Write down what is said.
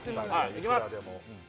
いきます